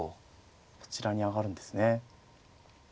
そちらに上がるんですね。